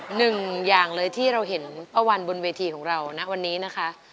หนึ่งอย่างเลยที่เราเห็นป้าวันบนเวทีของเรานะวันนี้นะคะ